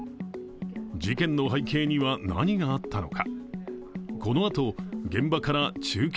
事件の背景には何があったのか。